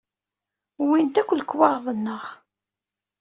Wwint akk lekwaɣeḍ-nneɣ.